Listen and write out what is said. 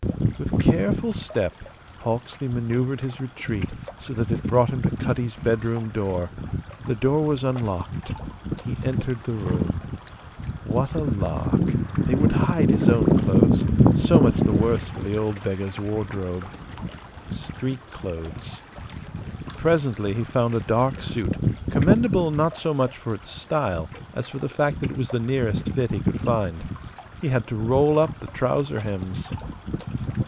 With careful step Hawksley manoeuvred his retreat so that it brought him to Cutty's bedroom door. The door was unlocked. He entered the room. What a lark! They would hide his own clothes; so much the worse for the old beggar's wardrobe. Street clothes. Presently he found a dark suit, commendable not so much for its style as for the fact that it was the nearest fit he could find. He had to roll up the trouser hems.